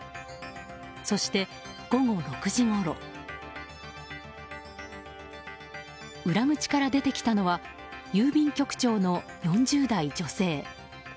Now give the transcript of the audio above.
そして、午後６時ごろ裏口から出てきたのは郵便局長の４０代女性。